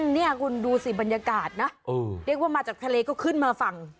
นี่คุณดูสิบรรยากาศนะเรียกว่ามาจากทะเลก็ขึ้นมาฝั่ง